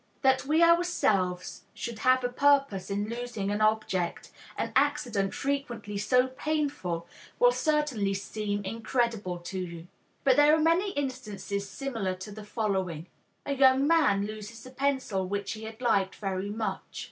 That we ourselves should have a purpose in losing an object, an accident frequently so painful, will certainly seem incredible to you. But there are many instances similar to the following: A young man loses the pencil which he had liked very much.